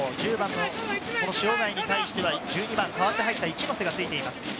実践学園高校、１０番の塩貝に対しては１２番、代わって入った市瀬がついています。